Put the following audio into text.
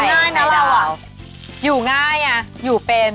น้ำมะนาวอะอยู่ง่ายอะอยู่เป็น